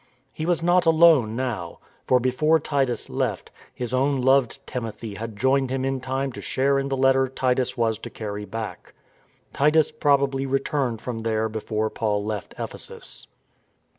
He was not alone now; for before Titus left, his own loved Timothy had joined him in time to share in the letter Titus was to carry back. Titus probably returned from there before Paul left Ephesus.